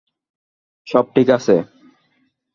সব ঠিক আছে?